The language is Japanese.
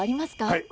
はい。